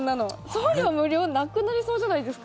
送料無料がなくなりそうじゃないですか？